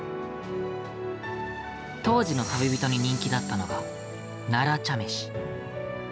当時の旅人に人気だったのが奈良茶飯。